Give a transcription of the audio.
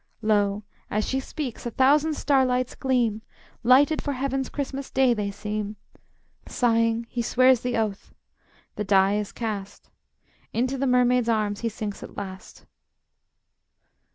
Lo, as she speaks, a thousand starlights gleam, Lighted for Heaven's Christmas day they seem. Sighing, he swears the oath, the die is cast; Into the mermaid's arms he sinks at last.